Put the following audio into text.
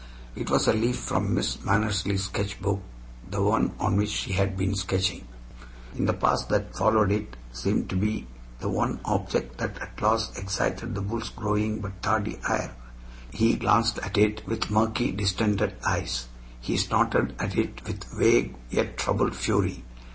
It was a leaf from Miss Mannersley's sketchbook, the one on which she had been sketching. In the pause that followed it seemed to be the one object that at last excited the bull's growing but tardy ire. He glanced at it with murky, distended eyes; he snorted at it with vague yet troubled fury.